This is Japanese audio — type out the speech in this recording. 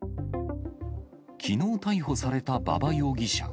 きのう逮捕された馬場容疑者。